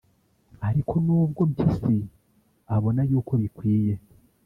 Ariko n’ubwo Mpyisi abona yuko bikwiye